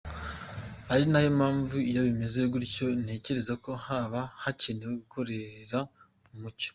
Ari nayo mpamvu iyo bimeze gutyo ntekereza ko haba hakenewe gukorera mu mucyo.